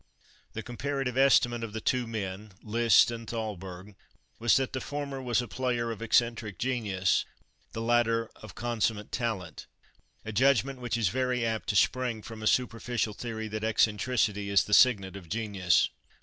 The comparative estimate of the two men, Liszt and Thalberg, was that the former was a player of eccentric genius, the latter of consummate talent: a judgment which is very apt to spring from a superficial theory that eccentricity is the signet of genius.